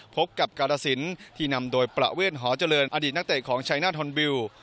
พบกับกาลสินที่นำโดยประเวทหอเจริญอดีตนักเตะของชัยนาธอนบิล